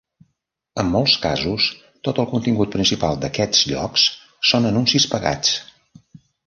En molts casos tot el contingut principal d'aquests llocs són anuncis pagats.